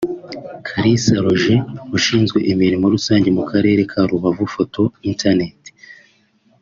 Kalisa Roger ushinzwe imirimo rusange mu karere ka Rubavu/Foto Internet